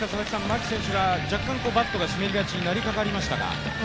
牧選手が若干バットが湿りがちになりかかりましたか。